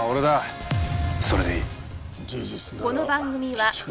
それでいい。